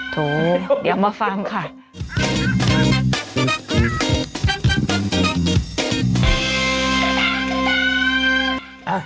ถูะเดี๋ยวมาฟังกันค่ะ